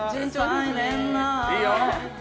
いいよ！